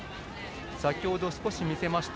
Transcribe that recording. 先程、少し見せました